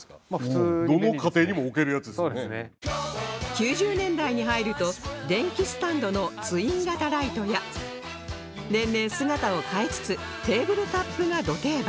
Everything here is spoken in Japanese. ９０年代に入ると電気スタンドのツイン型ライトや年々姿を変えつつテーブルタップがド定番